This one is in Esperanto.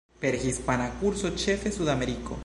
Per hispana kurso, ĉefe Sudameriko.